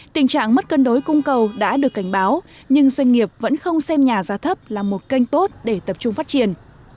tình trạng mất cân đối cung cầu đã được cảnh báo nhưng doanh nghiệp vẫn không xem nhà giá thấp là một kênh tốt để tập trung phát triển